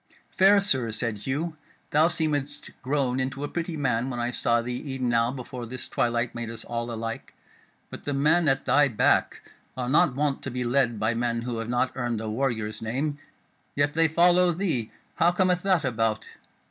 "Fair Sir," said Hugh, "thou seemedst grown into a pretty man when I saw thee e'en now before this twilight made us all alike; but the men at thy back are not wont to be led by men who have not earned a warrior's name, yet they follow thee: how cometh that about?